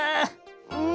うん。